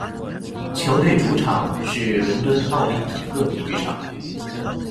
球队主场是伦敦奥林匹克体育场。